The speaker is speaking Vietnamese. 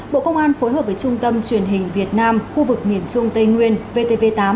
bộ công an phối hợp với trung tâm truyền hình việt nam khu vực miền trung tây nguyên vtv tám